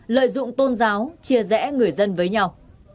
lợi dụng tôn giáo chia rẽ người dân với nhau